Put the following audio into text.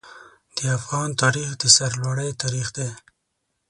د افغان تاریخ د سرلوړۍ تاریخ دی.